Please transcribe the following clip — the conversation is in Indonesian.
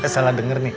gak salah denger nih